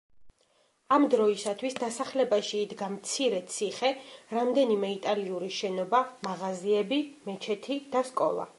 ამ დროისათვის, დასახლებაში იდგა მცირე ციხე, რამდენიმე იტალიური შენობა, მაღაზიები, მეჩეთი და სკოლა.